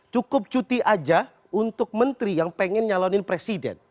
cukup cuti aja untuk menteri yang pengen nyalonin presiden